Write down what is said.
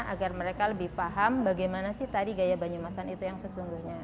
agar mereka lebih paham bagaimana sih tari gaya banyumasan itu yang sesungguhnya